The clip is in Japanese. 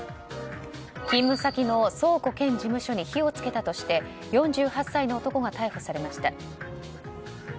勤務先の倉庫兼事務所に火を付けたとして４８歳の男が逮捕されました。